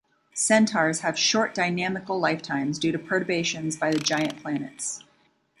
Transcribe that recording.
Centaurs have short dynamical lifetimes due to perturbations by the giant planets.